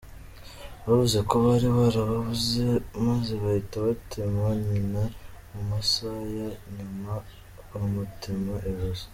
Bavuze ko bari barababuze maze bahita batema nyina mu musaya nyuma bamutema ijosi.